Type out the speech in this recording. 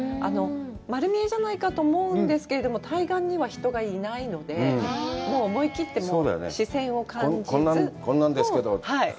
丸見えじゃないかと思うんですけれども、対岸には人がいないので、思い切って視線を感じず。